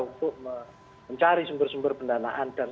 untuk mencari sumber sumber pendanaan dan